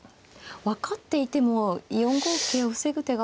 分かっていても４五桂を防ぐ手が。